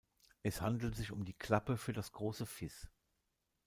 Es handelt sich um die Klappe für das "große Fis".